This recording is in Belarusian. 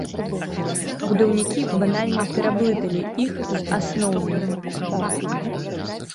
Будаўнікі банальна пераблыталі іх з асноўнымі.